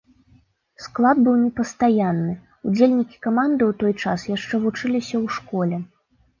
Склад быў непастаянны, удзельнікі каманды ў той час яшчэ вучыліся ў школе.